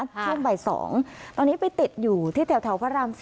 ช่วงบ่าย๒ตอนนี้ไปติดอยู่ที่แถวพระราม๔